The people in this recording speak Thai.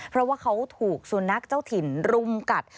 เพราะว่าเขาถูกสุนัขเจ้าถิ่นรุมกัด